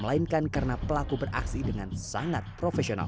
melainkan karena pelaku beraksi dengan sangat profesional